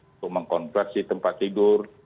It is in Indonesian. untuk mengkonversi tempat tidur